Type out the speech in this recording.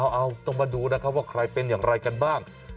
เอาต้องมาดูนะครับว่าใครเป็นอย่างไรกันบ้าง